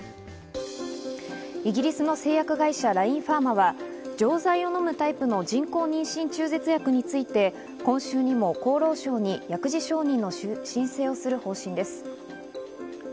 イギリスの製薬会社ラインファーマは錠剤を飲むタイプの人工妊娠中絶薬について今週にも厚労省に薬事承認の申請をする方針です。